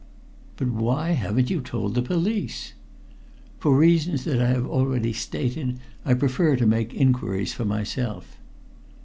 "But why haven't you told the police?" "For reasons that I have already stated. I prefer to make inquiries for myself."